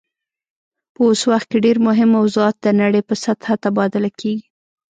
په اوس وخت کې ډیر مهم موضوعات د نړۍ په سطحه تبادله کیږي